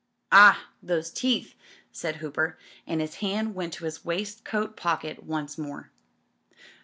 "Ah, those teeth," said Hooper, and his hand went to his waistcoat pocket once more.